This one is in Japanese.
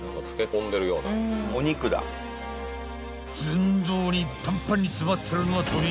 ［ずんどうにパンパンに詰まってるのは］